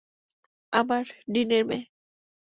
আমার ডীনের মেয়ে।